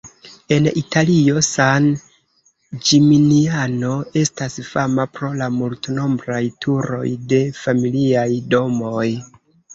En Italio, San Ĝiminiano estas fama pro la multnombraj turoj de familiaj domoj.